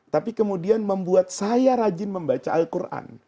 tapi kemudian membuat saya rajin membaca al quran